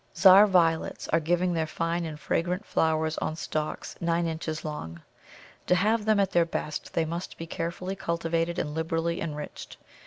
Czar Violets are giving their fine and fragrant flowers on stalks nine inches long. To have them at their best they must be carefully cultivated and liberally enriched.